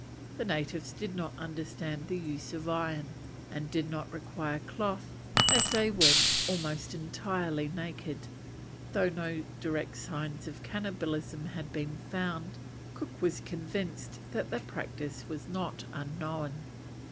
The natives did not understand the use of iron, and did not require cloth as they went almost entirely naked. Though no direct signs of cannibalism had been found, Cook was convinced that the practice was not unknown.